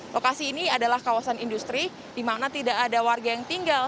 lokasi ini adalah kawasan industri di mana tidak ada warga yang tinggal